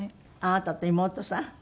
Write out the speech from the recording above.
あなたと妹さん？